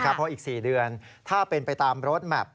เพราะอีก๔เดือนถ้าเป็นไปตามรถแมพ